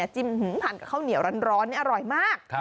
จิ้มผัดกับข้าวเหนียวร้อนนี่อร่อยมาก